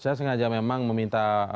saya sengaja memang meminta